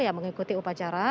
yang mengikuti upacara